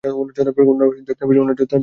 উনার যত্নের প্রয়োজন।